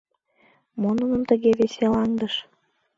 Мо нуным тыге веселаҥдыш?